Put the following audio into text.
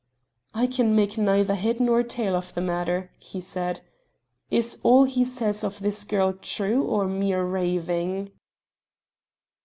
"I can make neither head nor tail of the matter," he said. "Is all he says of this girl true, or mere raving?"